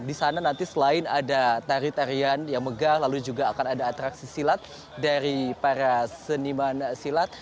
di sana nanti selain ada tarian tarian yang megah lalu juga akan ada atraksi silat dari para seniman silat